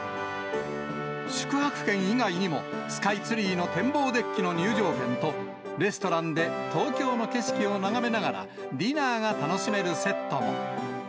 宿泊券以外にも、スカイツリーの展望デッキの入場券と、レストランで東京の景色を眺めながらディナーが楽しめるセットも。